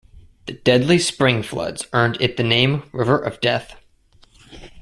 The deadly spring floods earned it the name "River of Death".